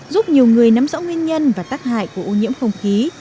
giúp nhiều người nắm rõ nguyên nhân và tác hại của ô nhiễm không khí